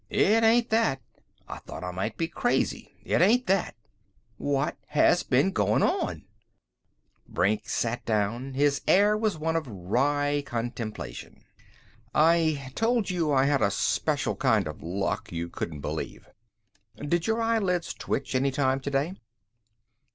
It ain't that. I thought I might be crazy. It ain't that! What has been goin' on?" Brink sat down. His air was one of wry contemplation. "I told you I had a special kind of luck you couldn't believe. Did your eyelids twitch any time today?"